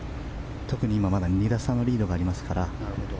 まだ２打差のリードがありますから。